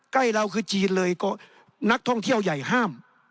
ใกล้เราน่ะท่องเที่ยวใหญ่ห้าม